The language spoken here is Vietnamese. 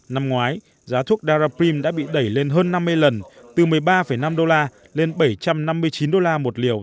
năm ngoái giá thuốc daraprim đã bị đẩy lên hơn năm mươi lần từ một mươi ba năm usd lên bảy trăm năm mươi chín usd một liều